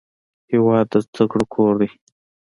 هېواد د زده کړو کور دی.